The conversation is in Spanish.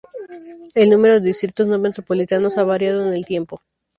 El número de distritos no metropolitanos ha variado con el tiempo.